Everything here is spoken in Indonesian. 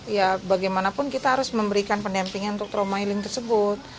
ya bagaimanapun kita harus memberikan pendampingan untuk trauma healing tersebut